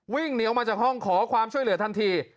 วิ่งหนีออกมาจากห้องขอความช่วยเหลือทันที